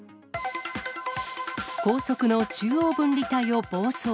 高速の中央分離帯を暴走。